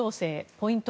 ポイント